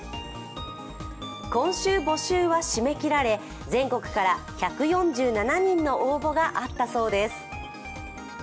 今週、募集は締め切られ全国から１４７人の応募があったそうです。